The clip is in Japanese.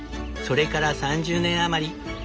それから３０年余り。